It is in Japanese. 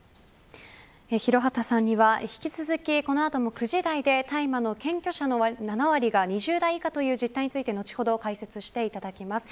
廣畑さんには引き続きこの後も９時台で大麻の検挙者の７割が２０代以下という実態について後ほど解説していただきます。